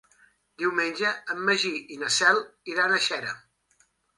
Diumenge en Magí i na Cel iran a Xera.